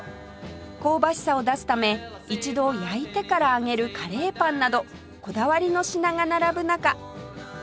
香ばしさを出すため一度焼いてから揚げるカレーパンなどこだわりの品が並ぶ中